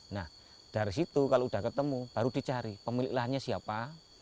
nah dari situ kalau sudah ketemu baru dicari pemilik lahannya siapa